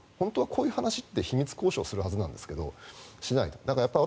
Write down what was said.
本当はこういった話は秘密交渉するはずなんですがしないと。